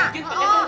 bikin pake kurang